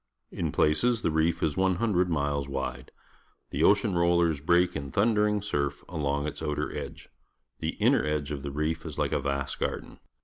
In places the reef is 100 miles wide. The ocean roll ers break in thundering surf along its out er edge. The inner edge of the reef is Uke a vast garden.